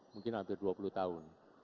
mungkin hampir dua puluh tahun